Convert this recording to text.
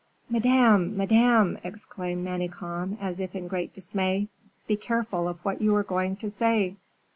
"Madame, Madame!" exclaimed Manicamp, as if in great dismay, "be careful of what you are going to say."